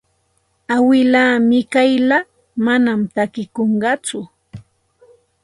Awilaa Mikayla manam takikunqatsu.